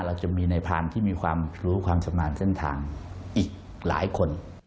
เราจะมีในพานที่มีความรู้ความสามารถเส้นทางอีกหลายคน